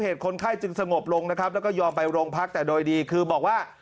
คนไข้จึงสงบลงนะครับแล้วก็ยอมไปโรงพักแต่โดยดีคือบอกว่า